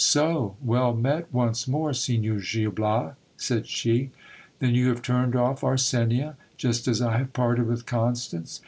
So ! well met once more, Signor Gil Bias, said she. Then you have turned off Arsenia, just as I have parted with Constance.